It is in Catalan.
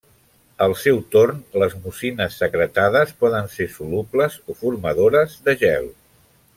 Al seu torn, les mucines secretades poden ser solubles o formadores de gel.